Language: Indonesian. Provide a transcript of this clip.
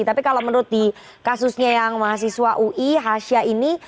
tapi kalau menurut di kasusnya yang mahasiswa ui hasya ini